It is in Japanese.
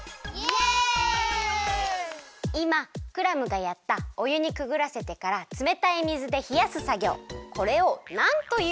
いまクラムがやったおゆにくぐらせてからつめたい水でひやすさぎょうこれをなんというでしょうか？